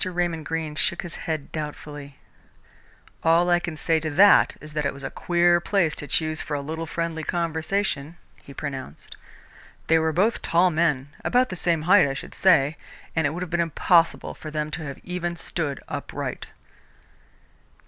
Raymond Greene shook his head doubtfully. "All I can say to that is that it was a queer place to choose for a little friendly conversation," he pronounced. "They were both tall men about the same height, I should say and it would have been impossible for them to have even stood upright."